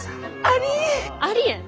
ありえん。